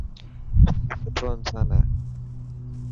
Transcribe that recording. رشي سٺو انسان هي.